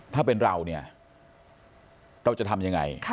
ถ้าเป็นเราเนี่ยเราจะทำยังไง